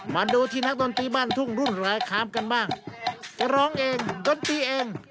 มาดูที่นักดนตรีบ้านทุ่งรุ่นรายค้ามกันบ้างจะร้องเองดนตรีเอง